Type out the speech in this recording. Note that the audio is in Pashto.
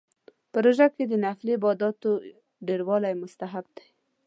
په روژه کې د نفلي عباداتو ډیروالی مستحب دی